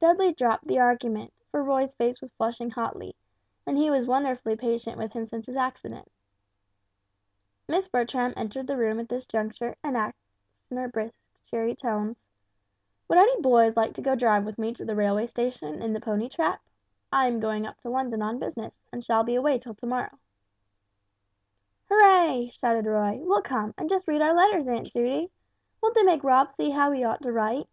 Dudley dropped the argument, for Roy's face was flushing hotly, and he was wonderfully patient with him since his accident. Miss Bertram entered the room at this juncture, and asked in her cheery brisk tones, "Would any boys like to drive me to the railway station in the pony trap? I am going up to London on business, and shall be away till to morrow." "Hurray," shouted Roy; "we'll come, and just read our letters, Aunt Judy! Won't they make Rob see how he ought to write?"